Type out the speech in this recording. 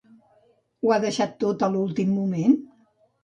Ho ha deixat tot a últim moment?